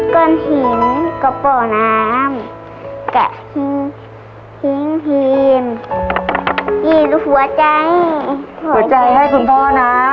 ก่อนหินก็เปาะน้ำกะหินหินหินหัวใจหัวใจให้คุณพ่อน้ำ